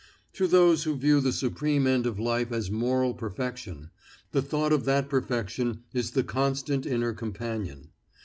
To those who view the supreme end of life as moral perfection, the thought of that perfection is the constant inner companion.